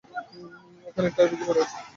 ওখানে একটা আরপিজি পড়ে আছে।